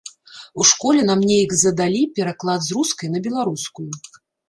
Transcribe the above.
У школе нам неяк задалі пераклад з рускай на беларускую.